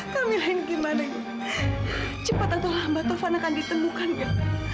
sampai jumpa di video selanjutnya